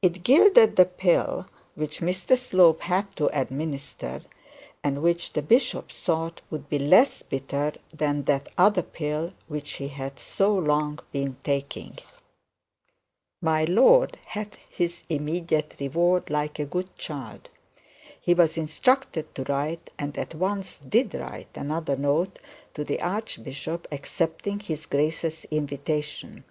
It gilded the pill which Mr Slope had to administer, and which the bishop thought would be less bitter than that other pill which he had been so long taking. 'My lord,' had his immediate reward, like a good child. He was instructed to write and at once did write another note to the archbishop accepting his grace's invitation.